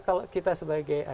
kalau kita sebagai